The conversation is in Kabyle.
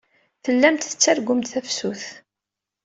Tellamt tettargumt tafsut.